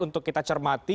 untuk kita cermati